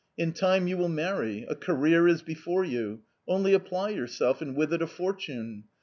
In time you will marry ; a career is before you; only apply yourself; and with it a fortune.